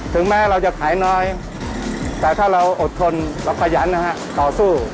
ถึงแม้เราจะขายน้อยแต่ถ้าเราอดทนเราขยันนะฮะต่อสู้